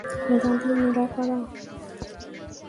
দাদী, উনারা কারা?